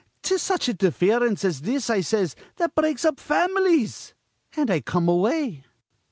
''Tis such interference as this,' I says, 'that breaks up fam'lies'; an' I come away.